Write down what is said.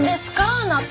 あなた。